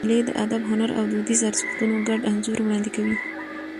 مېلې د ادب، هنر او دودیزو ارزښتونو ګډ انځور وړاندي کوي.